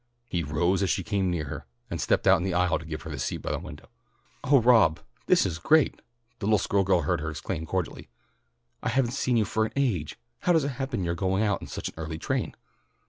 He rose as she came nearer, and stepped out in the aisle to give her the seat by the window. "Oh, Rob! This is great!" the little school girl heard her exclaim cordially. "I haven't seen you for an age. How does it happen you are going out on such an early train?"